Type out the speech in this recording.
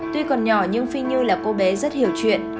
tuy còn nhỏ nhưng phi như là cô bé rất hiểu chuyện